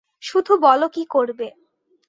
শুধু বলো কী করবে।